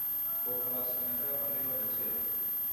ئۆپراسیۆنەکە بەڕێوە دەچێت